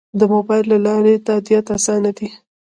د موبایل له لارې تادیات اسانه دي؟